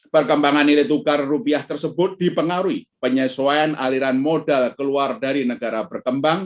perkembangan nilai tukar rupiah tersebut dipengaruhi penyesuaian aliran modal keluar dari negara berkembang